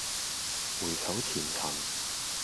回首前塵